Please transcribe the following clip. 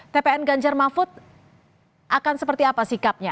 tpn ganjar mahfud akan seperti apa sikapnya